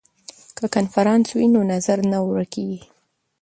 که کنفرانس وي نو نظر نه ورک کیږي.